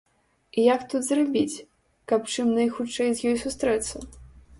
І як тут зрабіць, каб чым найхутчэй з ёй сустрэцца?